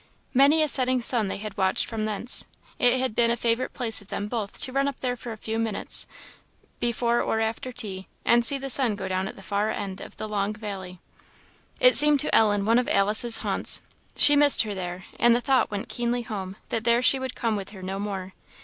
Many a setting sun they had watched from thence; it had been a favourite pleasure of them both to run up there for a few minutes, before or after tea, and see the sun go down at the far end of the long valley. It seemed to Ellen one of Alice's haunts she missed her there and the thought went keenly home that there she would come with her no more.